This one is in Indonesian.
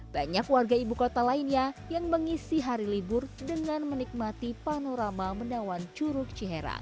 banyak warga ibu kota lainnya yang mengisi hari libur dengan menikmati panorama menawan curug ciherang